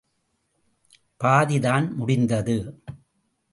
பாதி தான் முடிந்தது.